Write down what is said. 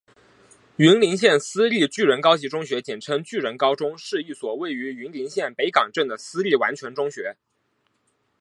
云林县私立巨人高级中学简称巨人高中是一所位于云林县北港镇的私立完全中学。